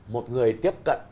một người tiếp cận